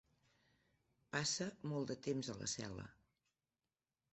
Passa molt de temps a la cel·la.